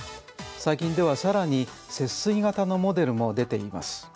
最近ではさらに節水型のモデルも出ています。